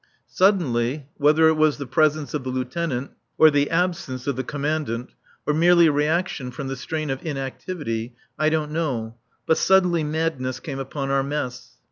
Suddenly whether it was the presence of the Lieutenant or the absence of the Commandant, or merely reaction from the strain of inactivity, I don't know, but suddenly madness came upon our mess.